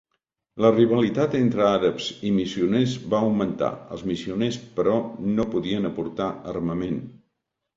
La rivalitat entre àrabs i missioners va augmentar; els missioners però no podien aportar armament.